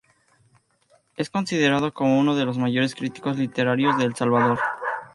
Es considerado como uno de los mayores críticos literarios de El Salvador.